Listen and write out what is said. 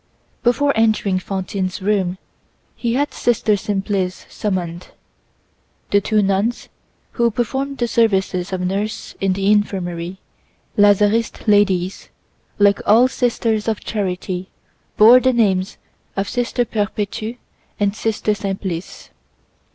Before entering Fantine's room, he had Sister Simplice summoned. The two nuns who performed the services of nurse in the infirmary, Lazariste ladies, like all sisters of charity, bore the names of Sister Perpétue and Sister Simplice.